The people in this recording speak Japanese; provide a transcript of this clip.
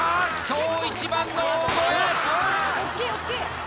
今日一番の大声うわっ！